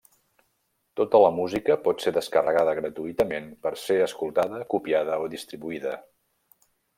Tota la música pot ser descarregada gratuïtament per ser escoltada, copiada o distribuïda.